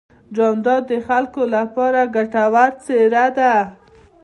جانداد د خلکو لپاره ګټور څېرہ دی.